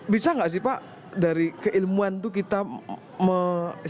bisa nggak sih pak dari keilmuan itu kita mencari